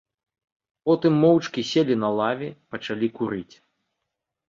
Потым моўчкі селі на лаве, пачалі курыць.